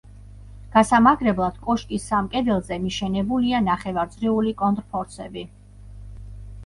გასამაგრებლად კოშკის სამ კედელზე მიშენებულია ნახევარწრიული კონტრფორსები.